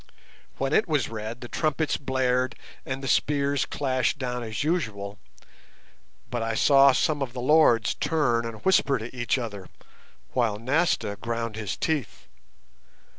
When it was read the trumpets blared and the spears clashed down as usual, but I saw some of the lords turn and whisper to each other, while Nasta ground his teeth.